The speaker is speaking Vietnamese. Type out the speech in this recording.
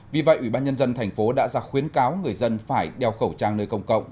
vì vậy ủy ban nhân dân thành phố đã ra khuyến cáo người dân phải đeo khẩu trang nơi công cộng